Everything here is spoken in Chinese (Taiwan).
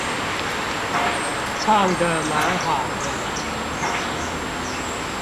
唱的蠻好的